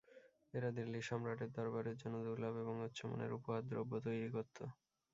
এরা দিল্লীর সম্রাটের দরবারের জন্য দুর্লভ এবং উচ্চমানের উপহার দ্রব্য তৈরি করত।